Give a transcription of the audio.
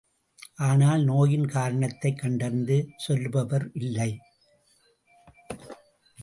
ஆனால் நோயின் காரணத்தைக் கண்டறிந்து சொல்லுபவர் இல்லை.